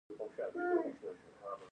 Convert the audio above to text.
دوی حسابونه چک کوي.